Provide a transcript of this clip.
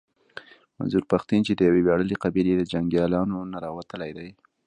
منظور پښتين چې د يوې وياړلې قبيلې د جنګياليانو نه راوتلی دی.